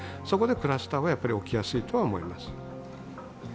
そこでクラスターは起きやすいとは思います。